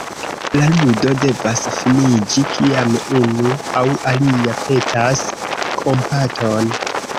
La ludo devas finiĝi, kiam unu aŭ alia petas kompaton.